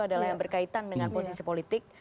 adalah yang berkaitan dengan posisi politik